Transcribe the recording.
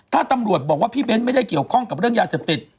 ถ้าตำรวจบอกว่าพี่เบ้นไม่ได้เกี่ยวข้องกับเรื่องยาเสพติด